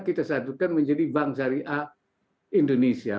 kita satukan menjadi bank syariah indonesia